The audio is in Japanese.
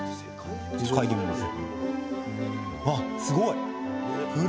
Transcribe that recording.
嗅いでみます。